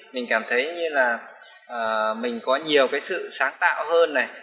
mình cảm thấy như là mình có nhiều cái sự sáng tạo hơn này